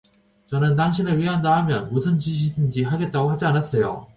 저는 당신을 위한다하면 무슨 짓이든지 하겠다고 하지 않았어요.